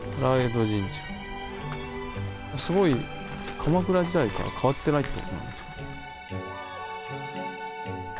鎌倉時代から変わってないってことなんですか。